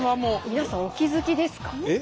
皆さんお気付きですか？